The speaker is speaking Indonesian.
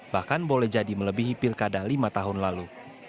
bahkan boleh jadi melebihi pilkada lima tahun lalu